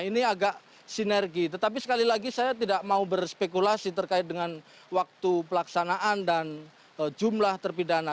ini agak sinergi tetapi sekali lagi saya tidak mau berspekulasi terkait dengan waktu pelaksanaan dan jumlah terpidana